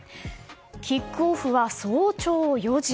キックオフは早朝４時。